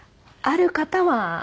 ある方は。